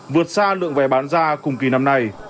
vượt xa lượng vé bán ra cùng kỳ năm nay